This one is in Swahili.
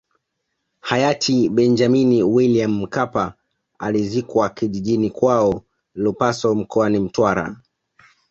Hayati Benjamini Wiliam Mkapa alizikwa kijijini kwao Lupaso mkoani Mtwara